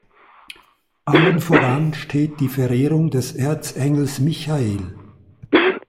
Allen voran steht die Verehrung des Erzengels Michael.